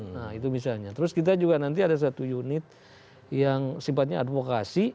nah itu misalnya terus kita juga nanti ada satu unit yang sifatnya advokasi